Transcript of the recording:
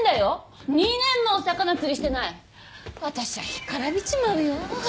干からびちまうよ。